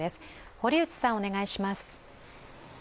堀内さん、お願いします。